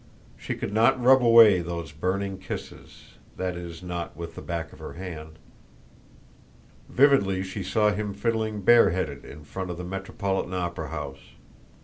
She could not rub away those burning kisses that is, not with the back of her hand. Vividly she saw him fiddling bareheaded in front of the Metropolitan Opera House.